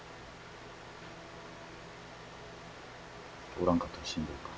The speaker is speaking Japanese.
「おらんかったらしんどい」か。